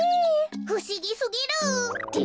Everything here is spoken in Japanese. ふしぎすぎる！って